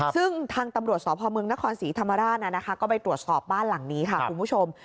ซึ่งทางตำรวจสพมนครศรีธรรมราชก็ไปตรวจสอบบ้านหลังนี้ค่ะคุณผู้ชม